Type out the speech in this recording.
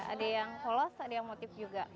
ada yang holos ada yang motif juga